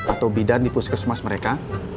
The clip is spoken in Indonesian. atau bidan di puskesmas mereka